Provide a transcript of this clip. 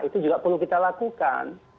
itu juga perlu kita lakukan